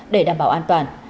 để đảm bảo an toàn